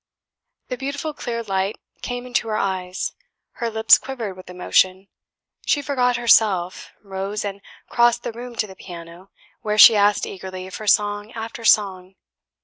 The beautiful clear light came into her eyes; her lips quivered with emotion; she forgot herself, rose, and crossed the room to the piano, where she asked eagerly for song after song.